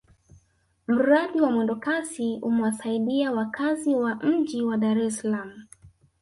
mradi wa mwendokasi umewasaidia wakazi wa mji wa dar es salaam